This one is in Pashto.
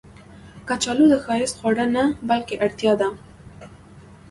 کچالو د ښایست خواړه نه، بلکې اړتیا ده